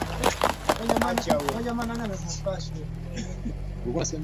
Emmanuel ni mrefu